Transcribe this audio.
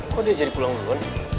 kok dia jadi pulang dulu kan